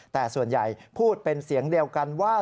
แต่ส่วนใหญ่พูดเป็นเสียงเดียวกันว่า